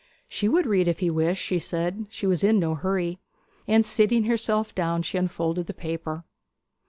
She would read if he wished, she said; she was in no hurry. And sitting herself down she unfolded the paper.